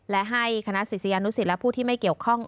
และให้คณะศิษยานุสิตและผู้ที่ไม่เกี่ยวข้อง